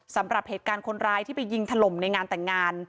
สำหรับเหตุการณ์คนร้ายที่ไปยิงถล่มในงานแต่งงาน